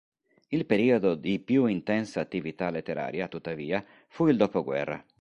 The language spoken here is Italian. Il periodo di più intensa attività letteraria tuttavia fu il dopoguerra.